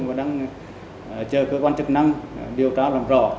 và đang chờ cơ quan chức năng điều tra làm rõ